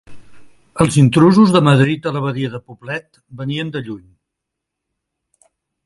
Les intrusions de Madrid a l'Abadia de Poblet venien de lluny.